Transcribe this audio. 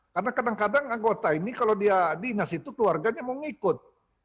karena kadang kadang anggota ini kalau dia dinas itu keluarganya mau ngikut